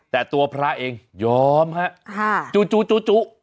แต่ตัวพระเองยอมฮะจู่จู่